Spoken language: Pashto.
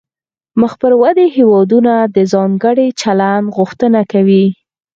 مخ پر ودې هیوادونه د ځانګړي چلند غوښتنه کوي